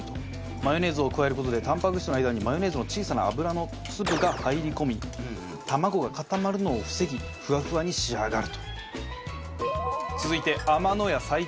マヨネーズを加える事でタンパク質の間にマヨネーズの小さな油の粒が入り込み卵が固まるのを防ぎふわふわに仕上がると。